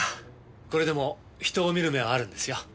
これでも人を見る目はあるんですよ。